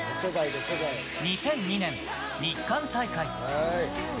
２００２年、日韓大会。